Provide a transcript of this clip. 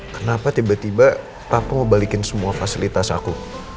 kenapa tiba tiba papa mau balikin semua fasilitas aku